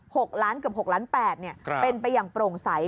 หกล้านเกือบหกล้านแปดเนี่ยครับเป็นไปอย่างโปร่งใส